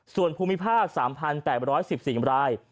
ส่วนภูมิภาค๓๘๑๔ราย